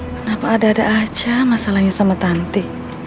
kenapa ada ada aja masalahnya sama tante